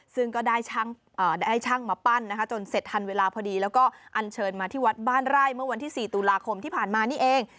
ซึ่งก็ได้ให้ช่างมาปั้นนะคะจนเสร็จทันเวลาพอดีแล้วก็อันเชิญมาที่วัดบ้านไร่เมื่อวันที่๔ตุลาคมที่ผ่านมานี่เอง